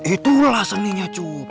itulah seninya cu